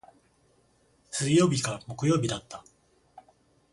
水曜日か木曜日だった。